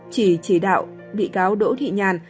chỉ chỉ đạo bị cáo đỗ thị nhàn